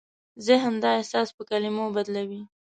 ذهن دا احساس په کلمو بدلوي.